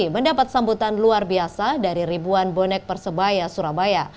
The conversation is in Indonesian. mendapat sambutan luar biasa dari ribuan bonek persebaya surabaya